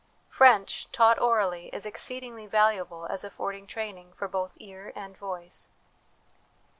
French, taught orally, is exceedingly valuable as affording training for both ear and voice.